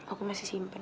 aku masih simpen